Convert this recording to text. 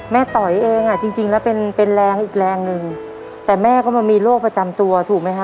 ต่อยเองอ่ะจริงจริงแล้วเป็นเป็นแรงอีกแรงหนึ่งแต่แม่ก็มามีโรคประจำตัวถูกไหมคะ